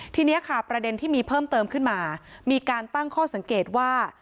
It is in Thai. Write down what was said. ทีนี้ค่ะประเด็นที่มีเพิ่มเติมขึ้นมามีการตั้งข้อสังเกตว่า